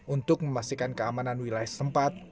untuk memastikan keamanan wilayah setempat